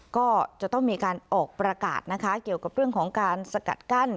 ก็จะต้องมีการออกประกาศนะคะเกี่ยวกับเรื่องของการสกัดกั้น